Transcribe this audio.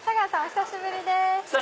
久しぶりです。